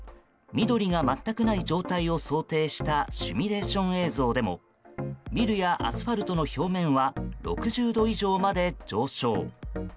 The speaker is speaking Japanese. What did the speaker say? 緑が全くない状態を想定したシミュレーション映像でもビルやアスファルトの表面は６０度以上まで上昇。